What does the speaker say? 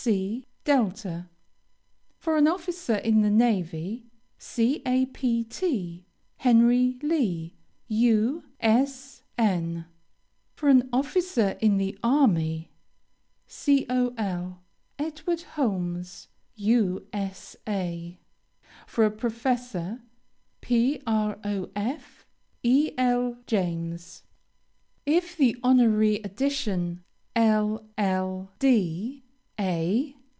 C. DELTA. For an officer in the navy: CAPT. HENRY LEE, U. S. N. For an officer in the army: COL. EDWARD HOLMES, U. S. A. For a professor: PROF. E. L. JAMES. If the honorary addition, LL.D., A.